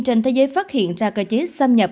trên thế giới phát hiện ra cơ chế xâm nhập